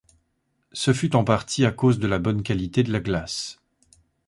Ce fut en partie à cause de la bonne qualité de la glace.